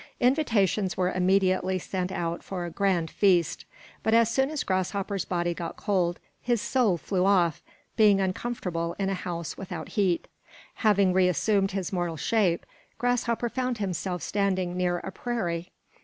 Invitations were immediately sent out for a grand feast. But as soon as Grasshopper's body got cold, his soul flew off, being uncomfortable in a house without heat. Having reassumed his mortal shape, Grasshopper found himself standing near a prairie.